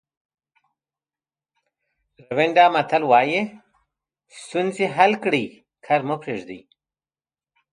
ریوانډا متل وایي ستونزې حل کړئ کار مه پریږدئ.